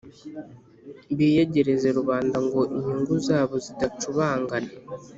biyegereza rubanda ngo inyungu zabo zidacubangana.